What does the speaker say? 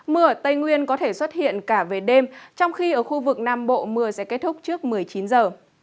mưa ở tây nguyên có thể xuất hiện cả về đêm trong khi ở khu vực nam bộ mưa sẽ kết thúc trước một mươi chín giờ